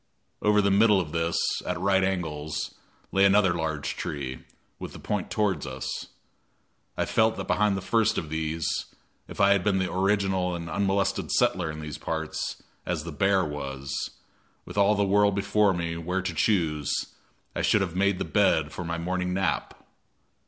Over the middle of this, at right angles, lay another large tree, with the point toward us. I felt that behind the first of these, if I had been the original and unmolested settler in these parts, as the bear was, with all the world before me where to choose, I should have made the bed for my morning nap.